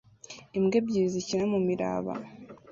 Imbwa ebyiri zikina mumiraba